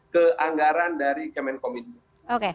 ke anggaran dari kemenkominfo